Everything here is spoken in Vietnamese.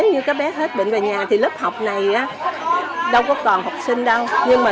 nếu như các bé hết bệnh về nhà thì lớp học này đâu có còn học sinh đâu